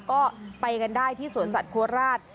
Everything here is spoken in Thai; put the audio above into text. ก็ไปกันได้ที่สวนสัตว์โคราช